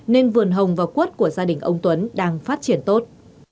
nên vườn hồng và quất của gia đình ông tuấn đang phát triển tốt